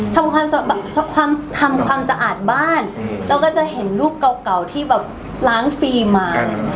ทำความสะอาดบ้านแล้วก็จะเห็นรูปเก่าที่แบบล้างฟรีมา